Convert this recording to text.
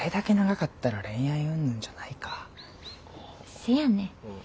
せやねん。